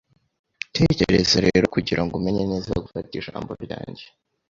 Tekereza rero kugirango umenye neza gufata ijambo ryanjye